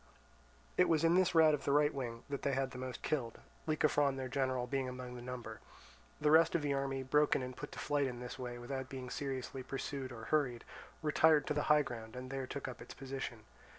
It was in this rout of the right wing that they had the most killed, Lycophron their general being among the number. The rest of the army, broken and put to flight in this way without being seriously pursued or hurried, retired to the high ground and there took up its position.